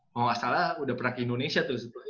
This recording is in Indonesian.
mau gak salah udah pernah ke indonesia tuh